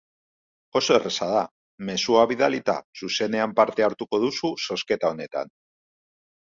Oso erraza da, mezua bidalita zuzenean parte hartuko duzu zozketa honetan.